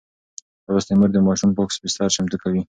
لوستې مور د ماشوم پاک بستر چمتو کوي.